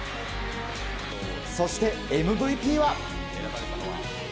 そして、ＭＶＰは。